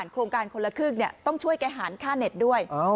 โครงการคนละครึ่งต้องช่วยแกหารค่าเน็ตด้วย